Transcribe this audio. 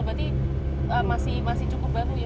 berarti masih cukup baru ya